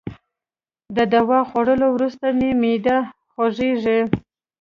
د دوا خوړولو وروسته مي معده خوږیږي.